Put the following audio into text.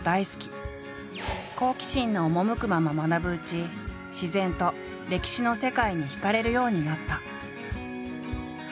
好奇心の赴くまま学ぶうち自然と歴史の世界に惹かれるようになった。